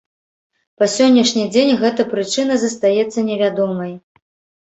Па сённяшні дзень гэта прычына застаецца невядомай.